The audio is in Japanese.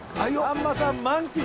さんまさん満喫。